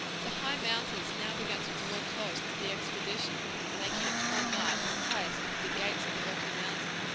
The high mountains now began to draw close to the expedition, and they camped one night at a place called the Gates of the Rocky Mountains.